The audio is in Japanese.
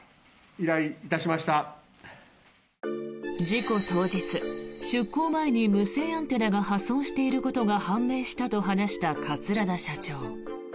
事故当日出航前に無線アンテナが破損していることが判明したと話した桂田社長。